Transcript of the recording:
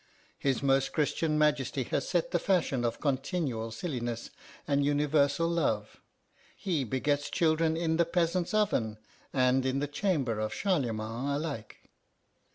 His most Christian Majesty has set the fashion of continual silliness and universal love. He begets children in the peasant's oven and in the chamber of Charlemagne alike.